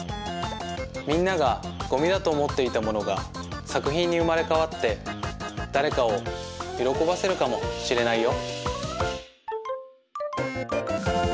みんながごみだとおもっていたものがさくひんにうまれかわってだれかをよろこばせるかもしれないよ。